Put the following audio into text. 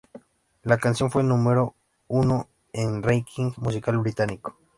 La canción fue número uno en el ranking musical británico.